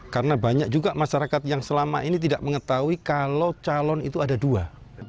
karena banyak juga masyarakat yang selama ini tidak mengetahui kalau calon itu ada dua